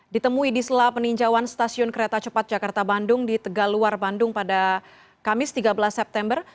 ditemui di sela peninjauan stasiun kereta cepat jakarta bandung di tegaluar bandung pada kamis tiga belas september